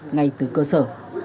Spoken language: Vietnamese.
ngay từ cơ sở